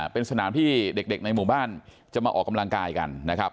เป็นสนามที่เด็กในหมู่บ้านจะมาออกกำลังกายกันนะครับ